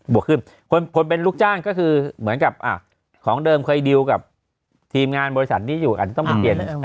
บวกขึ้นคนเป็นลูกจ้างก็คือเหมือนกับของเดิมค่อยดิวกับทีมงานบริษัทที่อยู่อาจจะต้องเป็นเกียรติ